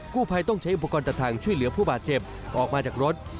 ผู้ภัยต้องใช้อุปกรณ์ตัดทางช่วยเหลือผู้บาดเจ็บออกมาจากรถ